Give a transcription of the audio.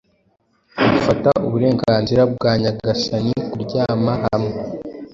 bifata uburenganzira bwa nyagasanikuryama hamwe